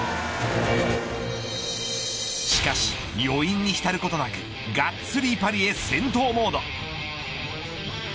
しかし、余韻に浸ることなくがっつりパリへ戦闘モード。